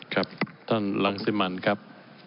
ครับท่านรังสิมันครับ